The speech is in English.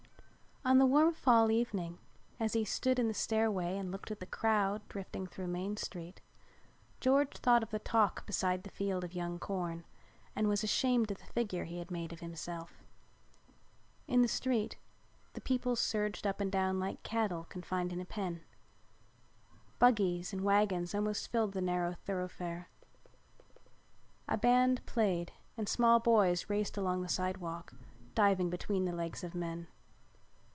On the warm fall evening as he stood in the stairway and looked at the crowd drifting through Main Street, George thought of the talk beside the field of young corn and was ashamed of the figure he had made of himself. In the street the people surged up and down like cattle confined in a pen. Buggies and wagons almost filled the narrow thoroughfare. A band played and small boys raced along the sidewalk, diving between the legs of men.